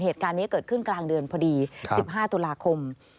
เหตุการณ์นี้เกิดขึ้นกลางเดือนพอดี๑๕ตุลาคม